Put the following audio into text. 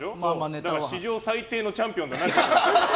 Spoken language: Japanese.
だから史上最低のチャンピオンだなって。